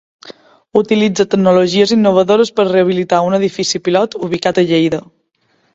Utilitza tecnologies innovadores per a rehabilitar un edifici pilot ubicat a Lleida.